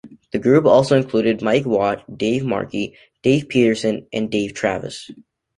The group also included Mike Watt, Dave Markey, Dave Peterson, and Dave Travis.